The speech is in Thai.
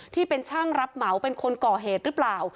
ที่เป็นช่างรับเหมาเป็นคนก่อเหตุหรือเปล่า